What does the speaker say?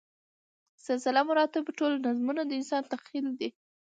سلسله مراتبو ټول نظمونه د انسان تخیل دی.